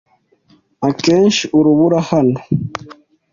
Akenshi urubura hano.